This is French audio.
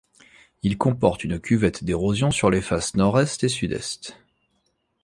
Il comporte une cuvette d'érosion sur les faces nord-est et sud-est.